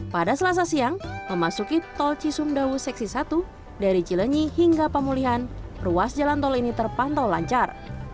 pada selasa siang memasuki tol cisumdawu seksi satu dari cilenyi hingga pemulihan ruas jalan tol ini terpantau lancar